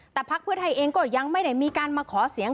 แต่พักเพื่อไทยเองก็ยังไม่ได้มีการมาขอเสียง